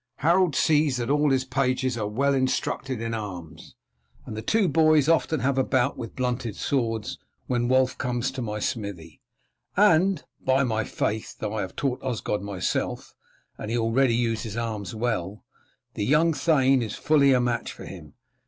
Harold sees that all his pages are well instructed in arms, and the two boys often have a bout with blunted swords when Wulf comes to my smithy; and, by my faith, though I have taught Osgod myself, and he already uses his arms well, the young thane is fully a match for him.